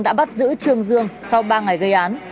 đã bắt giữ trương dương sau ba ngày gây án